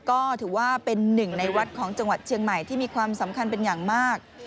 ก็ถือว่าเป็นหนึ่งในวัดของจังหวัดเชียงใหม่ที่มีความสำคัญเป็นอย่างมาก